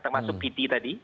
termasuk piti tadi